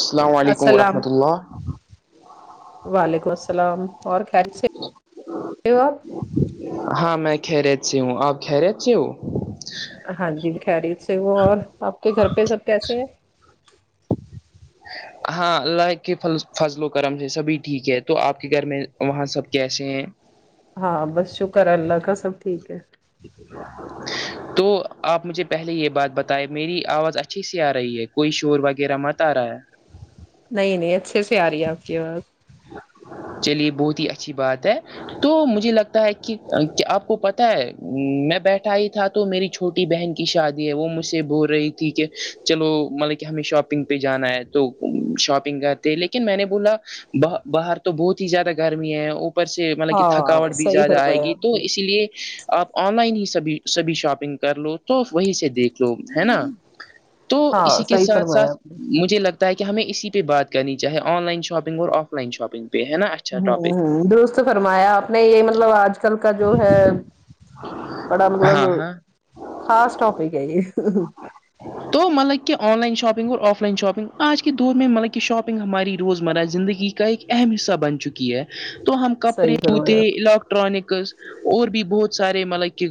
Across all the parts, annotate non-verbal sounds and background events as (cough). السلام علیکم السلام ورحمۃ اللہ وعلیکم السلام اور خیریت سے ہو ہاں میں خیریت سے ہوں آپ خیریت سے ہو ہاں جی خیریت سے ہوں اور آپ کے گھر پہ سب کیسے ہیں ہاں اللہ کے فضل و کرم سے سبھی ٹھیک ہے تو آپ کے گھر میں وہاں سب کیسے ہیں ہاں بس شکر ہے اللہ کا سب ٹھیک ہے تو آپ مجھے پہلے یہ بات بتائے میری آواز اچھی سی آ رہی ہے کوئی شور وغیرہ مت آ رہا ہے نہیں نہیں اچھے سے آ رہی ہے آپ کی آواز چلیے بہت ہی اچھی بات ہے تو مجھے لگتا ہے کہ آپ کو پتا ہے میں بیٹھا ہی تھا تو میری چھوٹی بہن کی شادی ہے وہ مجھ سے بول رہی تھی کہ چلو مطلب کہ ہمیں شاپنگ پہ جانا ہے تو شاپنگ کرتے لیکن میں نے بولا با باہر تو بہت ہی زیادہ گرمی ہے اوپر سے مطلب کہ ہاں تھکاوٹ بھی صحیح زیادہ آئے فرمایا گی آپ تو نے اس لیے آپ آن لائن ہی سبھی سبھی شاپنگ کر لو تو وہی سے دیکھ لو ہے نا تو ہاں اسی کے صحیح ساتھ فرمایا ساتھ آپ نے مجھے لگ تا ہے کہ ہمیں اسی پہ بات کرنی چاہے آن لائن شاپنگ اور آف لائن شاپنگ پہ ہے نا اچھا ٹاپک ہمم ہمم درست فرمایا اپ نے یہ مطلب آج کل کا جو ہے بڑا مطلب ہاں ہاں خاص ٹاپک ہے یہ تو مطلب کہ آن لائن شاپنگ اور آف لائن شاپنگ آج کے دور میں مطلب کہ شاپنگ ہماری روزمرہ زندگی کا ایک اہم حصہ بن چکی ہے تو ہم کپڑے صحیح جوتے فرمایا آپ۔ الیکٹرانکس اور بھی بہت سارے مطلب کہ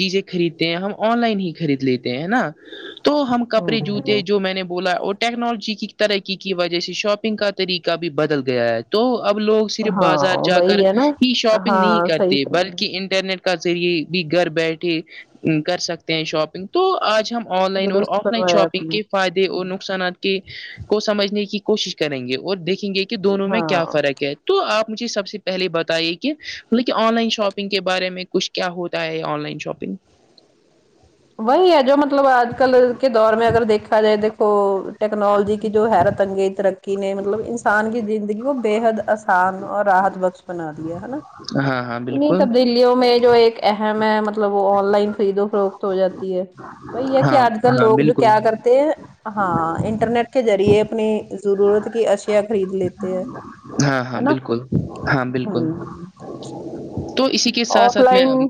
چیزیں خریدتے ہیں ہم آن لائن ہی خرید لیتے ہیں نا (inaudible) تو ہم کپڑے جوتے ہوں جو میں نے بولا اور ٹیکنالوجی کی ترقی کی وجہ سے شاپنگ کا طری قہ بھی بدل گیا ہے تو اب لوگ صرف ہاں بازار جا کر وہی ہے نا ہی شاپنگ نہیں ہاں صحیح کرتے فرمایا بلکہ ان انٹرنیٹ کا ذریعے بھی گھر بیٹھے کر سکتے ہیں شاپنگ تو آج ہم آن لائن اور درست آف لائن فرمایا آپ شاپنگ نے کے فائدے اور نقصانات کہ کو سمجھنے کی کوشش کریں گے اور دیکھیں گے کہ دونوں میں ہاں کیا فرق ہے تو آپ مجھے سب سے پہلے بتائیے کہ مطلب کہ آن لائن شاپنگ کے بارے میں کچھ کیا ہوتا ہے آن لائن شاپنگ وہی ہے جو مطلب آج کل کے دور میں اگر دیکھا جائے دیکھو ٹیکنالوجی کی جو حیرت انگیت کی نے مطلب انسان کی زندگی کو بےحد آسان اور راحت بخش بنا دیا ہے نا ہاں ہاں انہیں بالکل تبدیلیوں میں جو ایک اہم ہے مطلب وہ آن لائن خریدو فروقت ہو جاتی ہے بائی یہ کہ ہاں آج کل ہاں لوگ جو بالکل کیا کرتے تے ہیں ہاں انٹرنیٹ کے ذریعے اپنی ضرورت کی اشیا خرید لیتے ہیں ہاں ہاں ہے نا بالکل ہاں ہ بالکل تو اسی کے ساتھ آف ساتھ میں لائن ابھی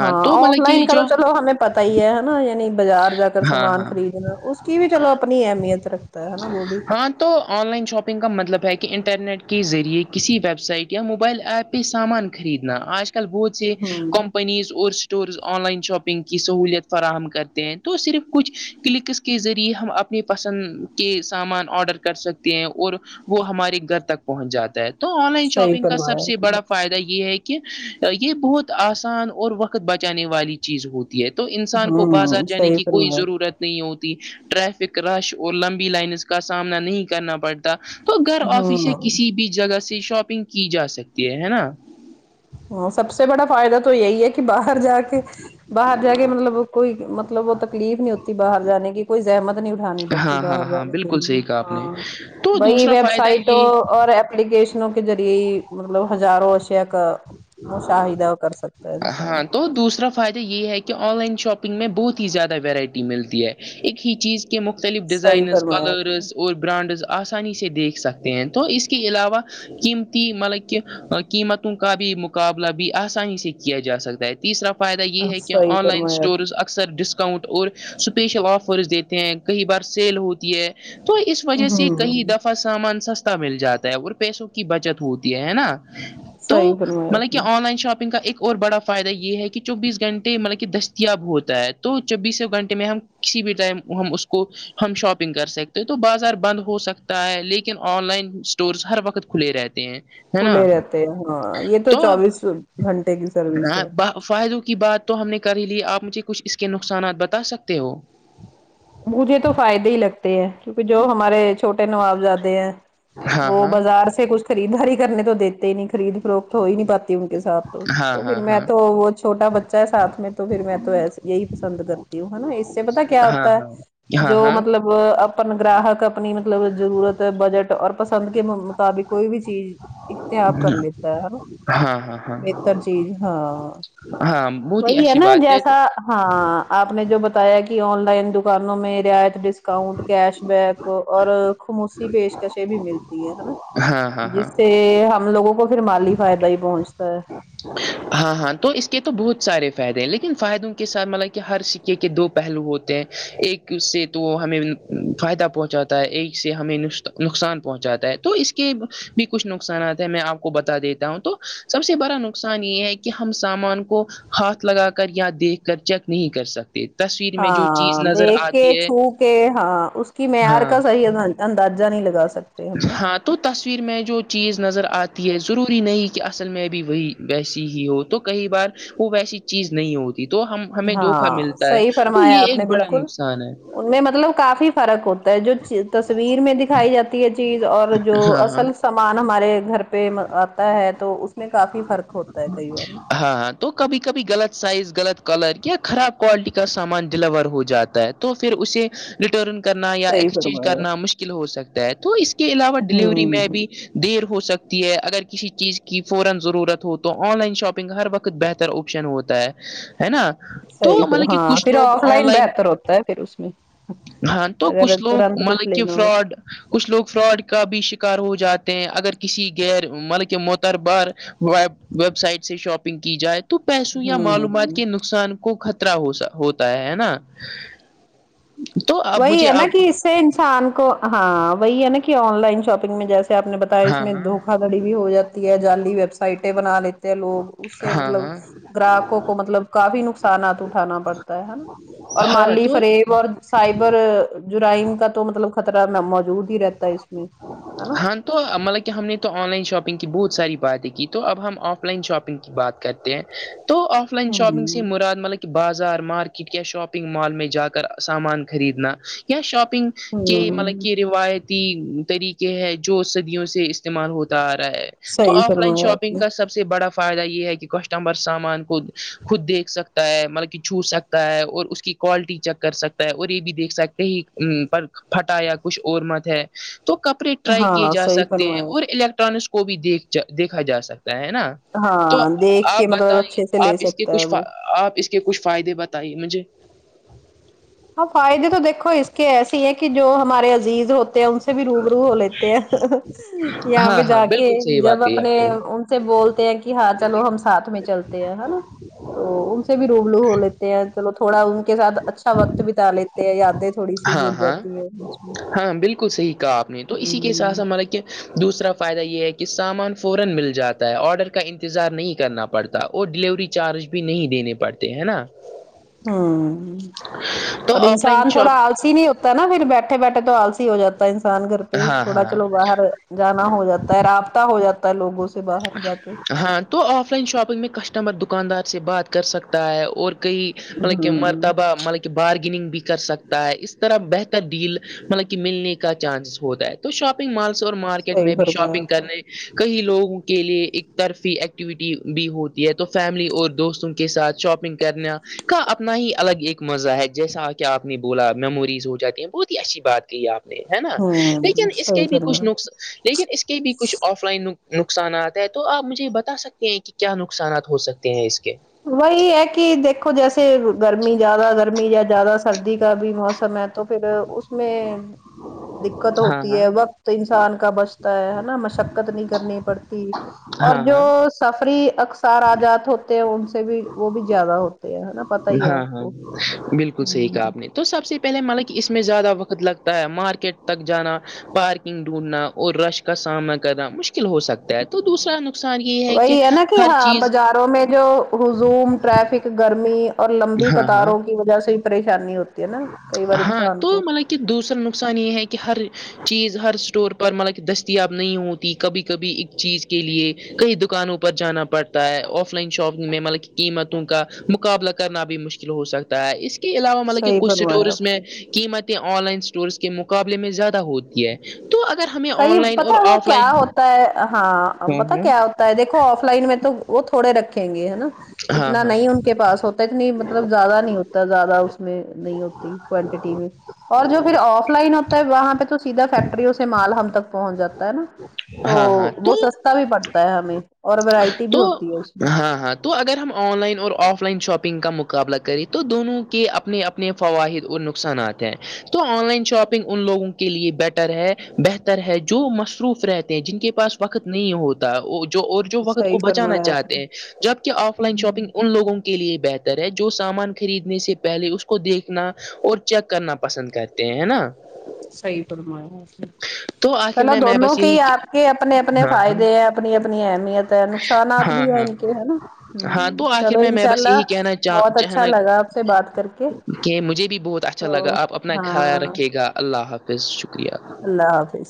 ہاں اف لائن کہ توہ چلو ہمیں پتہ ہی ہے نا یعنی بازار جا کر ہاں سامان ہاں خریدنا اس اس کی بھی چلو اپنی اہمیت رکھتا ہےا وہ بھی ہاں تو آن لائن شاپنگ کا مطلب ہے کہ کی انٹرنیٹ کے ذریعے کسی ویب سائٹ یا موبائل ایپ پہ سامان خریدنا آج کل بہت سے ہوں کمپنیز اور ٹور آن لائن شاپنگ کی سہولت فراہم کرتے ہیں تو صرف کچھ کلکس کے ذریعے ہم اپنے پسند کے سامان آڈر کر سکتے ہیں اور وہ ہمارے گھر تک پہنچ جاتا ہے تو آن لائن صحیح شاپنگ کا سب فرمایا سے آپ نے بڑا فائدہ یہ ہے کہ یہ بہت آسان اور وقت بچانے والی چیز ہوتی تی ہے تو انسان کو بازار ہوں جانے صحیح کی کوئی فرمایا ضرورت نہیں ہوتی ٹریفک رش اور لمبی لائنس کا سامنا نہیں کرنا پڑتا تو گھر آفس سے ہوں کسی بھی جگہ سے شاپنگ کی جا سکتی ہے ہے نا ہ سب سے بڑا فائدہ تو یہی ہے کہ باہر جا کے باہر جا کے مطلب کوئی م مطلب وہ تکلیف نہیں ہوتی باہر جانے کی کوئی زحمت نہیں اٹھانی پڑتی ہاں ہاں باہر ہاں جانے کے بالکل لیے صحیح کہا آپ نے ہاں تو بئی دوسرا ویب فائدہ سائٹ یہ اور ایلیکیشنوں کے ذریعے ہی مطلب ہزاروں اشیاء کا مشاہدہ کر سک ہاں تو دوسرا فائدہ یہ ہے کہ آن لائن شاپنگ میں بہت ہی زیادہ ورائٹی ملتی ہے ایک ہی چیز ک مختلف صحیح ڈزائنز فرمایا آپ کرز نے اور برانڈز آسانی سے دیکھ سکتے ہیں تو اس کے علاوہ قیمتی مطلب کہ قیمتوں کا بھی مقابلہ بھی آسانی سے کیا جا سکتا ہے تیسرا فائدہ یہ ہے کہ صحیح آن لائن فرمایا آپ اسٹورز اکثر ڈسکاؤنٹ اور سپیشل آفرز دیتے ہیں کئی بار سیل ہوتی ہے تو اس نے وجہ سے کہیں ہمم دف سامان سستا مل جاتا ہے اور پیسوں کی بچت ہوتی ہے ہے نا تو صحیح فرمایا مطلب آپ کہ نے آن لائن شاپنگ کا ایک اور بڑا فائدہ یہ ہے کہ چوبیس گھنٹے مطلب کہ دستیاب ہوتا ہے تو چوبیسوں گھنٹے میں ہم کسی بھی ٹائم ہم اس کو ہم شاپنگ کر سکتے تو بازار بند ہو سکتا ہے لیکن آن لائن اسٹورس ہر وقت کھلے رہتے تے ہیں ہے نا کھلے رہتے ہیں ہاں یہ تو چوبیس گھنٹے کی سروس ہے فائدوں کی بات تو ہم نے کر ہی لی آپ مجھے کچھ اس کے نقصانات بتا سکتے ہو مجھے تو فائدے ہی لگتے ہیں کیونکہ جو ہمارے چھوٹے نوابزادے ہیں ہاں وہ ہاں بازار سے کچھ خریدداری کرنے تو دیتے ہی نہیں خرید فروخت ہو ہی نہیں پاتی ان کے ساتھ تو ہاں تو ہاں پھر میں تو وہ چھوٹا بچہ ہے ساتھ میں تو پھر میں توس یہی پسند کرتی یہ ہے نا اس سے پتا کیا ہاں ہاں ہوتا ہے ہاں ہاں جو ہاں مطلب اپن گراہک اپنی مطلب ضرورت بجٹ اور پسند کے مطابق کوئی بھی چیز اختیاب کر لیتا ہے ہاں ہاں ہاں بہتر چیز ہاں ہاں بہت ہی وہی ہے اچھی نا بات جیسا تو ہاں آپ نے جو بتایا کہ آن لائن دکانوں میں رعایت ڈسکاؤننٹ کیش بیک اور خاموسی پیشکشیں بھی ملتی ہے نا ہاں ہاں جس ہاں سے ہم لوگوں کو پھر مالی فائدہ ہی پہنچتا ہے ہاں ہاں تو اس کے تو بہت سارے فائدے ہیں لیکن فائدوں کے ساتھ ملک کہ ہر سکے کے دو پہلو ہوتے ہیں ایک سے تو ہمیں فائدہ پہنچاتا ہے ایک سے ہمیں نقصان پہنچاتا ہے تو اس کے کے بھی کچھ نقصانات ہیں میں آپ کو بتا دیتا ہوں تو سب سے بڑا نقصان صان یہ ہے کہ ہم سامان کو ہاتھ لگا کر یا دیکھ کر چیک نہیں کر سکتے یہ تصویر میں جو چیز ہاں نظر دیکھ کے آتی ہے چھو کے ہاں اس کی معیار ہاں کا صحیح اندازہ نہیں لگتا ہاں تو تصویر میں جو چیز نظر آتی ہے ضروری نہیں کہ اصل میں بھی وہی ویسی ہی ہو تو کئی بار وہ ویسی چیز نہیں ہوتی تو ہم ہمیں دھوکا ہاں ملتا ہے صحیح تو فرمایا یہ آپ نے ایک بڑا بالکل نقصان ہے ان میں مطلب کافی فرق ہوتا جو تصویر میں دکھائی جاتی ہے چیز اور جو ہاں ہاں اصل سامان ہمارے گھر پہ ہے تو اس میں کافی فرق ہوتا ہے کئی بار میں ہاں ہاں تو کبھی کبھی غلط سائز غلط کلر یا خراب کوالٹی کا سامان ڈیلیور ہو جاتا ہے تو پھر اسے ریٹرن کرنا یا صحیح ایکسچینج فرمایا کرنا مشکل ہو سکتا ہے تو اس کے علاوہ ڈیلیوری میں ہوں بھی دیر ہو سکتی ہے اگر کسی چیز کی فورا ضرورت ہو تو آن لائن شاپنگ ہر وقت بہتر آپشن ہوتا ہے ہے نا تو صحیح ف مطلب کہ ہاں کچھ پھر لوگ آف آن لائن بہتر ہوتا ہے پھر اس میں ہاں تو اگر کچھ لوگ ترنت کچھ ملک کہ لینا فراڈ کچھ لوگ فراڈ کا بھی شکار ہو جاتے ہیں اگر کسی غیر مطلب کہ موتربار وب ویب سائٹ سے شاپنگ کی جائے تو پیسوں یا ہو معلومات ہوں کے نقصان کو خطرہ ہو ہوتا ہے ہے نا تو اب وہی مجھے ہے نا آپ کہ اس انسان کو ہاں وہی ہے نا کہ آن لائن شاپنگ میں جیسے آپ نے بتایا اس ہاں میں ہاں دھوکا دڑی بھی ہو جاتی ہے جعالی ویب سائٹیں بنا لیتے ہیں لوگ اس سے ہاں مطلب ہاں گراہکوں کو مطلب کافی نقصانات اٹھانا پڑتا ہے ہے نا اور ہاں مالی تو فریب اور سائبر جرائم کا تو مطلب خطرہ موجود ہی رہتا ہے اس میں ہے نا ہاں تو مطلب کہ ہم نے تو آن لائن شاپنگ کی بہت ساری باتیں کی تو اب ہم آف لائن شاپنگ کی بات کرتے ہیں تو آف لائن شاپنگ سے ہوں مراد ملک بازار مارکیٹ یا شاپنگ مال میں جا کر سامان خریدنا یا شاپنگ کہ ملک ہوں کہ روایت تین طریقے ہے جو صدیوں سے استعمال ہوتا آ رہا ہے تو صحیح آف لائن فرمایا آپ شاپنگ نے کا سب سے بڑا فائدہ یہ ہے کہ کسٹمر سامان کو خود دیکھ سکتا ہے مطلب کہ چھو سکتا تا ہے اور اس کی کوالٹی چیک کر سکتا ہے اور یہ بھی دیکھ سکتے ہی پر پھٹایا کچھ اور مت ہے تو کپڑے ٹرائی کیے ہاں جا صحیح سکتے ہیں فرمایا اور الیکٹرانکس کو بھی دیکھ دیکھا جا سکتا ہے ہے نا تو ہاں دیکھ آپ کے مطلب بتائیے اچھے سے آپ لے اس کے سکتا ہے کچھ فا وہ آپ اس کے کچھ فائدے بتائیے مجھے ہاں فائدے تو دیکو اس کے ایسے ہیں کہ جو ہمارے عزیز ہوتے ہیں ان سے بھی روب رو ہو لیتے ہیں یہاں ہاں پہ ہاں جا کے بالکل صحیح جب بات کہی اپنے آپ نے سے بولتے ہیں کہ ہاں چلو ہم ساتھ میں چلتے ہیں نا تو ان سے بھی روبلو ہو لیتے ہیں چلو تھوڑا ان کے ساتھ اچھا وقت بتا لیتے ہیں یادیں تھوڑی سی ہاں جڑ ہاں جاتی ہے بیچ میں ہاں بالکل صحیح کہا آپ نے تو اسی کےسات ہ ہمارا کیا دوسرا فائدہ یہ ہے کہ سامان فورا مل جاتا ہے آرڈر کا انتظار نہیں کرنا پڑتا پڑتا اور ڈیلیوری چارج بھی نہیں دینے پڑتے ہے نا ہ تو اور آف لائن انسان تھوڑا شاپ آل سے ہی نہیں ہوتا ہے نا پھر بیٹھے بیٹھے تو آلسی ہو جاتا ہے انسان گھر پہ ہاں تھوڑا ہاں چلو باہر جانا ہو جاتا ہے رابطہ ہو جاتا ہے لوگوں سے باہر جا کے ہاں تو آف لائن شاپنگ میں کسٹمر دکاندار سے بات کر سکتا ہے اور کہئی مطلب کہ ہوں مرتبہ مطلب کہ بارگننگ بھی کر سکتا ہے اس طرح بہتر ڈیل مطلب کہ ملنے کا چانس ہوتا ہے تو شاپنگ مالس اور مارکیٹ صحیح میں بھی فرمایا شاپنگ آپ نے، کرنے کہیں لوگ کے لیے ایک طرفی ایکٹیویٹی بھی ہوتی ہے تو فیملی اور دوستوں کے ساتھ شاپنگ کرنا کا اپنا ہی الگ ایک مزہ ہے جیسا کہ آپ نے بولا میموریز ہو جاتے ہیں بہت ہی اچھی بات کہی آپ ہے نا لیکن ہوں اس صحیح کے بھی کچھ فرمایا نقص لیکن اس کے بھی کچھ آف لائن نقص نقصانات ہے تو آپ مجھے یہ بتا سکتے ہیں کہ کیا نقصانات ہو سکتے ہیں اس کے وہی ہے کہ دیکھو جیسے گرمی زیادہ گرمی یا زیادہ سردی کا بھی موسم ہے تو پھر اس میں دقت ہاں ہوتی ہاں ہے وقت تو انسان کا بچتا ہے نا مشقت نہیں کرنی پڑتی اور ہاں جو ہاں سفری اکثار آجاد ہوتے ہیں ان سے بھی وہ بھی زیادہ ہوتے ہیں ہے نا پتا ہی ہے ہاں آپ ہاں کو بالکل صحیح کہا آپ نے تو سب سے پہلے مطلب کہ اس میں زیادہ وقت لگتا ہے مارکیٹ تک جانا پارکنگ ڈھونڈنا اور رش کا سامنا کرنا مشکل ہو سکتا ہے تو دوسرا نقصان یہ وہی ہے نا کہ ہر ہاں چیز بازاروں میں جو ہزوم ٹریفک گرمی اور لمبی ہاں ہاں قطاروں کی وجہ سے پریشانی ہوتی تی ہے نا کئی بار ہاں انسان تو کو مطلب کہ دوسرا نقصان یہ ہے کہ ہر چیز ہر اسٹور پر مطلب کہ دستیاب نہیں ہوتی کبھی کبھی ایک چیز کے لیے کئی دکانوں پر جانا پڑتا ہے آف لائن شاپنگ میں مطلب قیمتوں کا مقابلہ کرنا بھی مشکل ہو سکتا ہے اس اس کے علاوہ مطلب کہ صحیح کچھ بنوایا اسٹورز آپ میں نے قیمتیں آن لائن اسٹورز کے مقابلے میں زیادہ ہوتی ہے تو اگر ہمیں کئی آن لائن پتا اور وہ آف کیا لائن ہوتا ہے ہاں پتا کیا ہوتا ہے دیکھو آف لائن میں تو وہ تھوڑے رکھیں گے ہے نا ہاں اتنا ہاں نہیں ان کے پاس ہوتا اتنی مطلب زیادہ نہیں ہوتا زیادہ اس میں نہیں ہوتی کوانٹٹی میں اور جو پھر آف لائن ہوتا ہے وہاں پہ تو سیدھا فیکٹریوں سے مال ہم تک پہنچ جاتا ہے نا ہاں تو ہاں ہاں وہ تو سس تہ بھی پڑتا ہے ہمیں اور وورائٹی بھی تو ہوتی ہے اس میں ہاں ہاں تو اگر ہم آن لائن اور آف لائن شاپنگ کا مقابلہ کریں تو دونوں کے اپنے اپنے فواہد اور نقصانات ہیں تو آن لائن شاپنگ ان لوگوں کے لیے بیٹر ہے بہتر ہے جو مصروف رہتے ہیں جن کے پاس وقت نہیں ہوتا جو اور جو وقت کو صحیح بچانا فرمایا آپ چاہتے نے ہیں جبک آف لائن ہوں شاپنگ ان لوگوں کو کے لیے بہتر ہے جو سامان خریدنے سے پہلے اس کو دیکھنا اور چیک کرنا پسند کرتے ہیں ہے نا صحیح فرمارہے تو آخر چلو میں میں دونوں بس کے یہی ہی آ کے اپنے اپنے ہاں فائد ہاں ہیں اپنی اپنی احمیت ہے نقصانات بھی ہاں ہے ہاں انکے ہے نا ہاں ہمم تو آخر ہچلو میں میں بس انشاءاللہ یہی کہنا بہت اچھا چاہنا لگا آپ سے بات کر کے کہ مجھے بھی بہت اچھا لگا تو آپ اپنا خیال ہاں رکھیے گا اللہ حافظ شکریہ اللہ حافظ